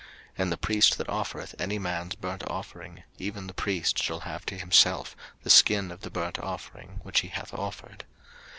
03:007:008 And the priest that offereth any man's burnt offering, even the priest shall have to himself the skin of the burnt offering which he hath offered.